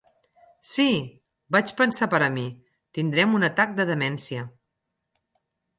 'Sí!', vaig pensar per a mi, 'tindrem un atac de demència'.